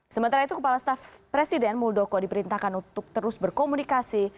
sementara itu kepala staf presiden muldoko diperintahkan untuk terus berkomunikasi